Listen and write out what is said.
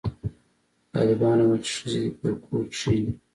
طالبانو ویل چې ښځې دې په کور کښېني